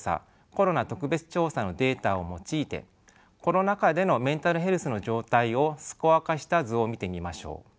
・コロナ特別調査のデータを用いてコロナ禍でのメンタルヘルスの状態をスコア化した図を見てみましょう。